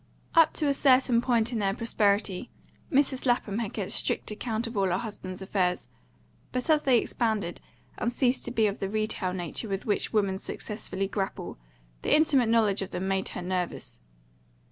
Up to a certain point in their prosperity Mrs. Lapham had kept strict account of all her husband's affairs; but as they expanded, and ceased to be of the retail nature with which women successfully grapple, the intimate knowledge of them made her nervous.